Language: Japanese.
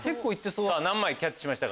何枚キャッチしましたか？